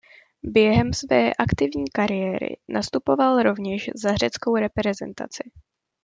Během své aktivní kariéry nastupoval rovněž za řeckou reprezentaci.